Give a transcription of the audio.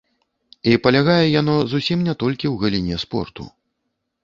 І палягае яно зусім не толькі ў галіне спорту.